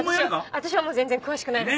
私は全然詳しくないです。